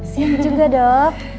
siang juga dok